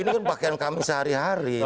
ini kan pakaian kami sehari hari